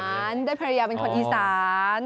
อีซานได้พยายามเป็นคนอีซาน